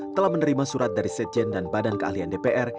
telah menerima surat dari sekjen dan badan keahlian dpr